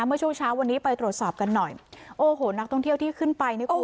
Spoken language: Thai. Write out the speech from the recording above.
เมื่อช่วงเช้าวันนี้ไปตรวจสอบกันหน่อยโอ้โหนักท่องเที่ยวที่ขึ้นไปนี่ก็